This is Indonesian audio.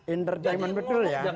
entertainment betul ya